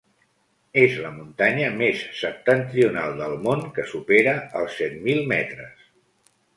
És la muntanya més septentrional del món que supera els set mil metres.